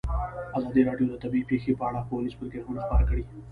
ازادي راډیو د طبیعي پېښې په اړه ښوونیز پروګرامونه خپاره کړي.